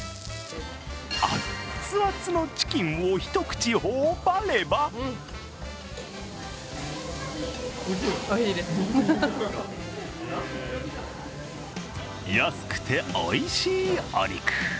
アッツアツのチキンを一口頬張れば安くておいしいお肉。